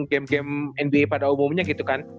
game game nba pada umumnya gitu kan